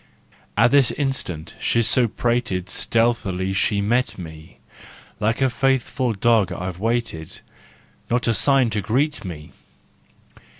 At this instant, so she prated, Stealthily she'd meet me: Like a faithful dog I've waited, Not a sign to greet me!